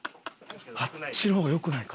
あっちの方が良くないか？